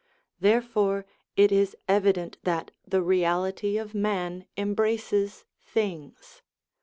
Therefore it is evident that the reality of man embraces things.